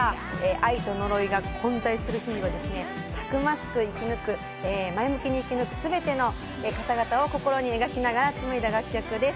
愛とのろいが混在する日々を前向きに生き抜く全ての方々を心に描きながら紡いだ楽曲です。